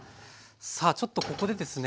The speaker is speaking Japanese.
さあちょっとここでですね